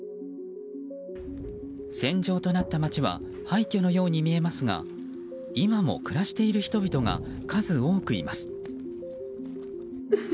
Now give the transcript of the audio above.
戦場となった街は廃虚のように見えますが今も暮らしている人々が数多くいます。